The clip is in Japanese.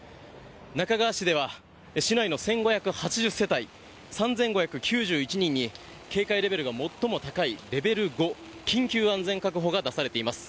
那珂川市では、市内の１５８０世帯３５９１人に警戒レベルが最も高いレベル５、緊急安全確保が出されています。